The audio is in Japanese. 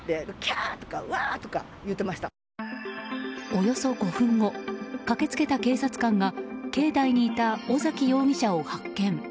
およそ５分後駆け付けた警察官が境内にいた尾崎容疑者を発見。